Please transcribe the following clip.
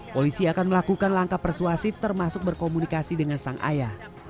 polisi akan melakukan langkah persuasif termasuk berkomunikasi dengan sang ayah